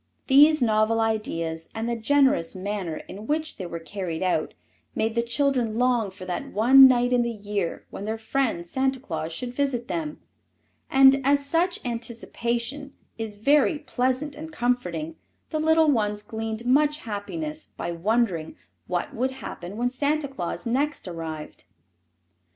These novel ideas and the generous manner in which they were carried out made the children long for that one night in the year when their friend Santa Claus should visit them, and as such anticipation is very pleasant and comforting the little ones gleaned much happiness by wondering what would happen when Santa Claus next arrived.